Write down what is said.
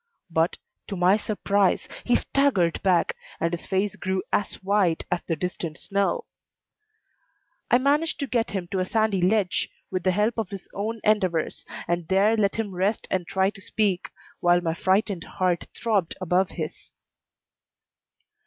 But, to my surprise, he staggered back, and his face grew as white as the distant snow. I managed to get him to a sandy ledge, with the help of his own endeavors, and there let him rest and try to speak, while my frightened heart throbbed over his.